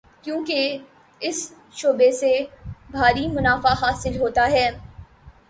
کیونکہ اس شعبے سے بھاری منافع حاصل ہوتا ہے۔